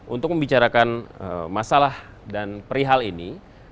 untuk membicarakan masalah dan perihal ini